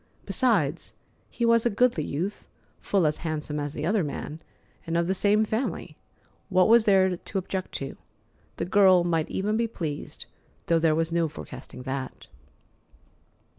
Besides, he was a goodly youth, full as handsome as the other man, and of the same family. What was there to object to? The girl might even be pleased, though there was no forecasting that.